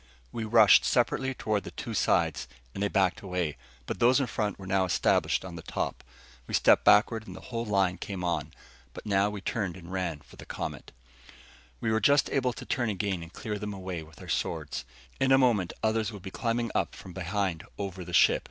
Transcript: We rushed separately toward the two sides, and they backed away. But those in front were now established on the top. We stepped backward, and the whole line came on. But now we turned and ran for the Comet. We were just able to turn again and clear them away with our swords. In a moment others would be climbing up from behind over the ship.